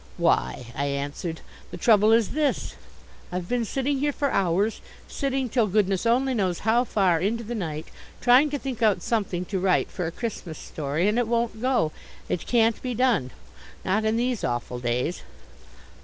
"Why," I answered, "the trouble is this. I've been sitting here for hours, sitting till goodness only knows how far into the night, trying to think out something to write for a Christmas story. And it won't go. It can't be done not in these awful days."